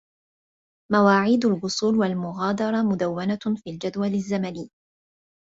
مواعيد الوصول والمغادرة مدونة في الجدول الزمني.